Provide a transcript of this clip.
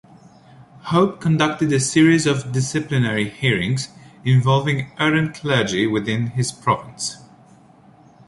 Hope conducted a series of disciplinary hearings involving errant clergy within his province.